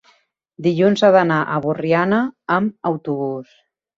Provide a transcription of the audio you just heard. Dilluns he d'anar a Borriana amb autobús.